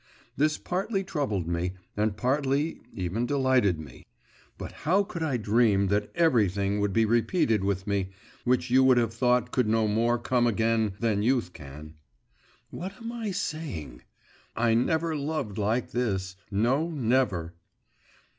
This partly troubled me, and partly even delighted me.… But how could I dream that everything would be repeated with me, which you would have thought could no more come again than youth can? What am I saying! I never loved like this, no, never!